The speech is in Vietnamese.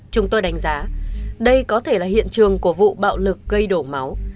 chúng tôi đánh giá đây có thể là hiện trường của vụ bạo lực gây đổ máu